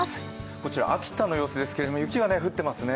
こちら秋田の様子ですけれども、雪が降っていますね。